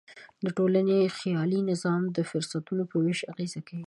د ټولنې خیالي نظام د فرصتونو په وېش اغېز کوي.